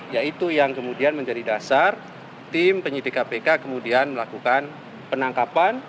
yaitu yang kemudian menjadi dasar tim penyidik kpk kemudian melakukan penangkapan